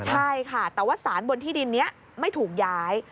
ใช่ค่ะแต่ว่าสารบนที่ดินนี้ไม่ถูกย้าย